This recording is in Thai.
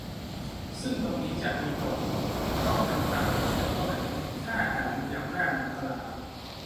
ซึ่งตรงนี้จะมีผลว่าต้องทำตามกฎหมายข้อไหน ถ้าอาจมีอำนาจเหนือตลาด